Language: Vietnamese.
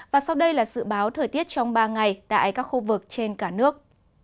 và sau đây là dự báo thời tiết trong ba ngày tại các khu vực trên cả nước